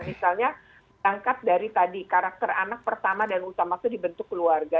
misalnya berangkat dari tadi karakter anak pertama dan utama itu dibentuk keluarga